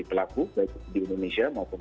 pelaku baik di indonesia maupun